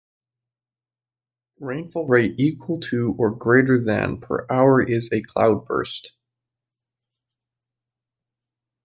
Rainfall rate equal to or greater than per hour is a cloudburst.